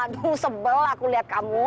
aku sebelah lihat kamu